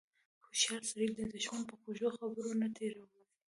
هوښیار سړی د دښمن په خوږو خبرو نه تیر وځي.